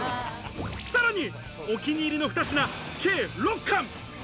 さらに、お気に入りの２品、計６貫。